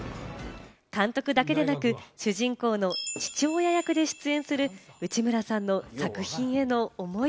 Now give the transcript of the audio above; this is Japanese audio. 監督だけでなく主人公の父親役で出演する内村さんの作品への思い